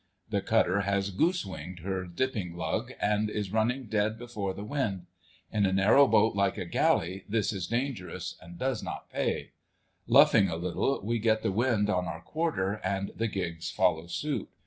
The cutter has "goose winged" her dipping lug and is running dead before the wind. In a narrow boat like a galley this is dangerous and does not pay. Luffing a little, we get the wind on our quarter, and the gigs follow suit.